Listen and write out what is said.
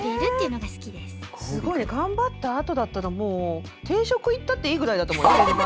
すごいね頑張ったあとだったらもう定食行ったっていいぐらいだと思うよ。